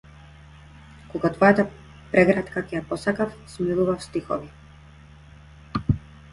Кога твојата прегратка ќе ја посакав, смислував стихови.